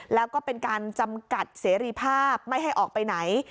แล้วก็เป็นการจำกัดเสรีภาพไม่ให้ออกไปไหน